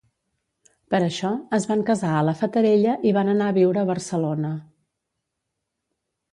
Per això es van casar a La Fatarella i van anar a viure a Barcelona.